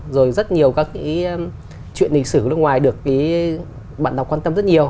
rồi rất nhiều các chuyện lịch sử nước ngoài được bạn đó quan tâm rất nhiều